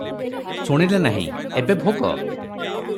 ଶୁଣିଲେ ନାହିଁ, ଏବେ ଭୋଗ ।"